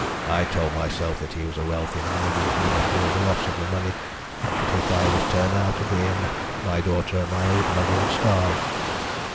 I told myself that he was a wealthy man and would never feel the loss of the money, but if I was turned out of the inn my daughter and my old mother would starve.